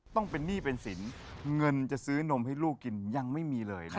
ต้องเป็นหนี้เป็นสินเงินจะซื้อนมให้ลูกกินยังไม่มีเลยนะครับ